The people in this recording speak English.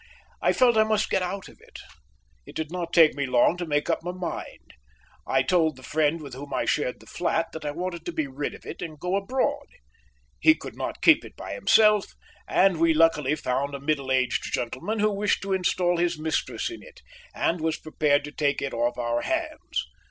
I felt I must get out of it. It did not take me long to make up my mind. I told the friend with whom I shared the flat that I wanted to be rid of it and go abroad. He could not keep it by himself, but we luckily found a middle aged gentleman who wished to install his mistress in it, and was prepared to take it off our hands.